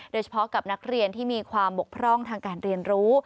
โดยเฉพาะกับนักเรียนที่มีความบกพร่องทางการเรียนรู้